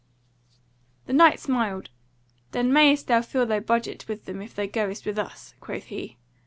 The Knight smiled: "Then mayst thou fill thy budget with them if thou goest with us," quoth he.